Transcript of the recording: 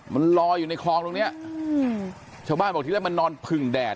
มันลอยอยู่ในคลองตรงเนี้ยอืมชาวบ้านบอกที่แรกมันนอนผึ่งแดด